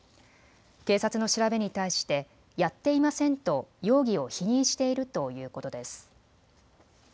警察の調べに対してやっていませんと容疑を否認しているということです。